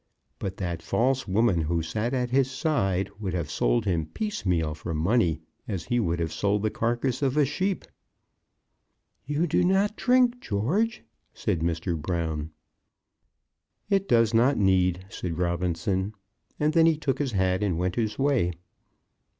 But that false woman who sat at his side would have sold him piecemeal for money, as he would have sold the carcase of a sheep. "You do not drink, George," said Mr. Brown. "It does not need," said Robinson; and then he took his hat and went his way.